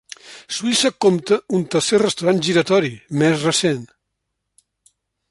Suïssa compta un tercer restaurant giratori, més recent.